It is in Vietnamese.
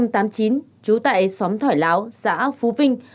trú tại xóm thỏi láo xã phú vinh